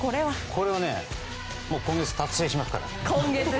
これはもう今月達成しますから。